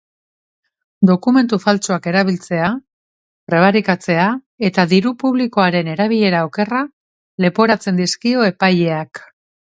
Dokumentu faltsuak erabiltzea, prebarikatzea eta diru publikoaren erabilera okerra leporatzen dizkio epaileak.